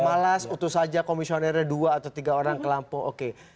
malas utuh saja komisionernya dua atau tiga orang ke lampung oke